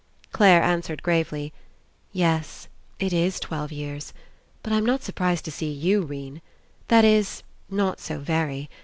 Clare answered gravely: "Yes. It Is twelve years. But I'm not surprised to see you, 'Rene. That Is, not so very.